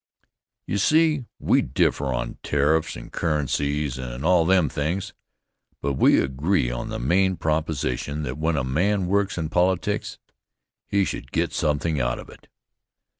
You see, we differ on tariffs and currencies and all them things, but we agree on the main proposition that when a man works in politics, he should get something out of it.